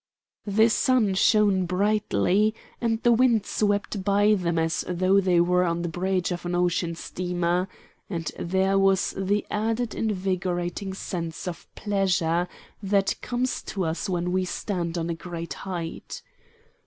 The sun shone brightly, and the wind swept by them as though they were on the bridge of an ocean steamer, and there was the added invigorating sense of pleasure that comes to us when we stand on a great height.